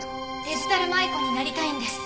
デジタル舞子になりたいんです。